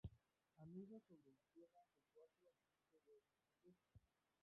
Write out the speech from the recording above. Anida sobre la tierra, de cuatro a cinco huevos por vez.